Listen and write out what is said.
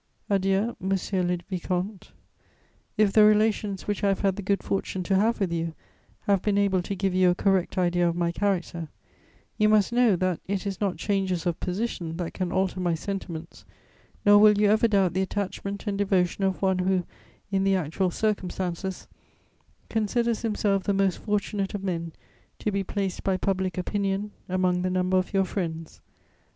"Adieu, monsieur le vicomte: if the relations which I have had the good fortune to have with you have been able to give you a correct idea of my character, you must know that it is not changes of position that can alter my sentiments, nor will you ever doubt the attachment and devotion of one who, in the actual circumstances, considers himself the most fortunate of men to be placed by public opinion among the number of your friends.